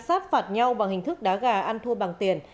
sát phạt nhau bằng hình thức đá gà ăn thua bằng tiền